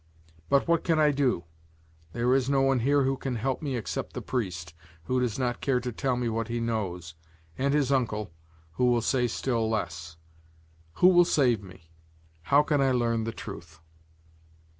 But what can I do? There is no one here who can help me except the priest, who does not care to tell me what he knows, and his uncle who will say still less. Who will save me? How can I learn the truth?